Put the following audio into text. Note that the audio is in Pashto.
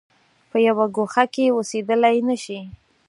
په یوه ګوښه کې اوسېدلای نه شي.